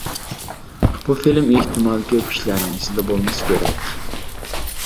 بۇ فىلىم ئېھتىمال كۆپ كىشىلەرنىڭ ئېسىدە بولمىسا كېرەك.